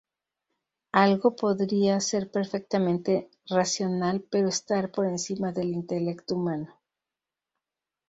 Algo podría ser perfectamente racional pero estar por encima del intelecto humano.